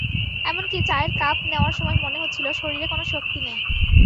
এমনকি চায়ের কাপ নেওয়ার সময় মনে হচ্ছিল শরীরে কোনো শক্তি নেই।